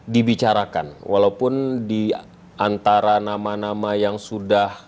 dibicarakan walaupun diantara nama nama yang sudah